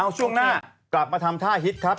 เอาช่วงหน้ากลับมาทำท่าฮิตครับ